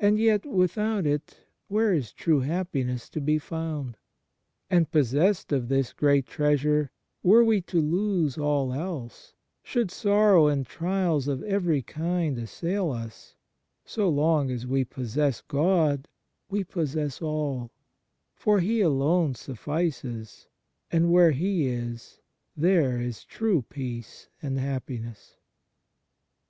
And yet without it where is true happiness to be found ? And possessed of this great treasure, were we to lose all else, should sorrow and trials of every kind assail us, as long as we possess God we possess all ; for He alone suffices, and where He is there is true peace and happiness.